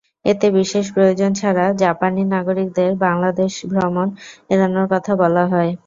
এতে বিশেষ প্রয়োজন ছাড়া জাপানি নাগরিকদের বাংলাদেশ ভ্রমণ এড়ানোর কথা বলা হয়।